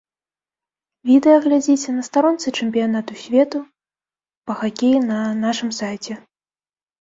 Відэа глядзіце на старонцы чэмпіянату свету па хакеі на нашым сайце.